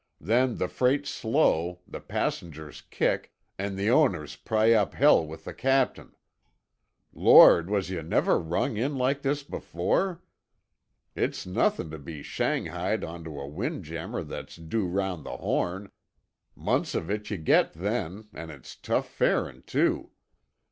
Then the freight's slow, the passengers kick, an' the owners pry up hell with the captain. Lord, was yuh never rung in like this before? It's nothin' t' bein' shanghaied onto a wind jammer that's due round the Horn—months of it yuh get then, an' it's tough farin', too.